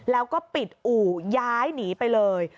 แล้วก็ปิดอู่ย้ายหนีไปเลย